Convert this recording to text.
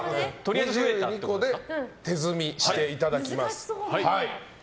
２２個で手積みしていただきます。